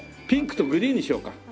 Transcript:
ピンクとグリーンにしようか。